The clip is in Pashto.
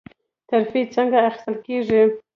ترفیع څنګه اخیستل کیږي؟